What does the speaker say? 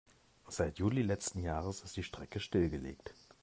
Seit Juli letzten Jahres ist die Strecke stillgelegt.